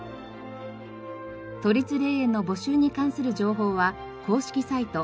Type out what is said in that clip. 都立霊園の募集に関する情報は公式サイト